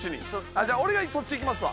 じゃあ俺がそっち行きますわ。